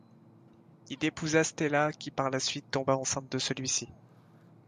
Il épousa Stella qui par la suite tomba enceinte de celui-ci.